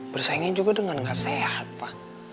bersaingnya juga dengan gak sehat pak